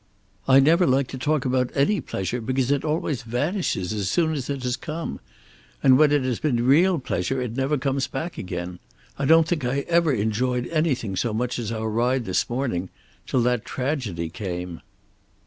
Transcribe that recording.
"I never like to talk about any pleasure because it always vanishes as soon as it has come; and when it has been real pleasure it never comes back again. I don't think I ever enjoyed anything so much as our ride this morning, till that tragedy came."